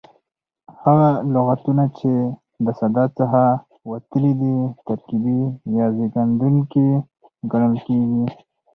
هغه لغتونه، چي د ساده څخه وتلي دي ترکیبي یا زېږېدونکي کڼل کیږي.